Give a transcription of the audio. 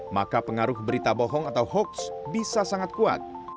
maka pengaruh berita bohong atau hoax bisa sangat kuat